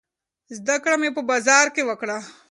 زده کړه مې په بازار کې وکړه.